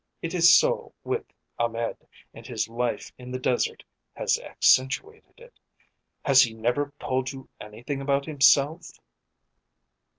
It is so with Ahmed, and his life in the desert has accentuated it. Has he never told you anything about himself?"